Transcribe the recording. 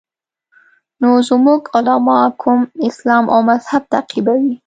نو زموږ علما کوم اسلام او مذهب تعقیبوي.